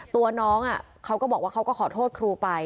ตัวน้องเขาก็บอกว่าเขาก็ขอโทษครูไป